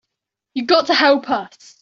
You got to help us.